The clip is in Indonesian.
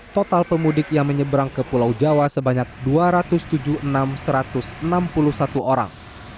total pemudik yang menyeberang ke pulau jawa sebanyak dua ratus tujuh puluh enam satu ratus enam puluh satu orang